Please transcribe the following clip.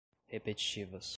repetitivas